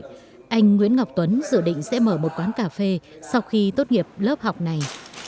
hàng chục nghìn người lao động được dạy nghề trong một quán cà phê sau khi tốt nghiệp lớp học này